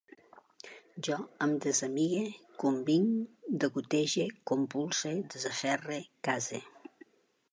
Jo em desamigue, convinc, degotege, compulse, desaferre, case